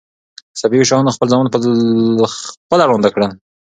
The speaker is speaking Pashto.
صفوي شاهانو خپل زامن په خپله ړانده کړل.